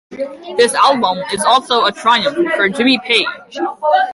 This album is also a triumph for Jimmy Page.